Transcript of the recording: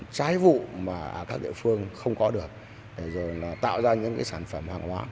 trái vụ mà các địa phương không có được rồi là tạo ra những cái sản phẩm hàng hóa